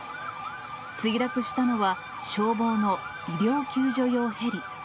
墜落したのは、消防の医療救助用ヘリ。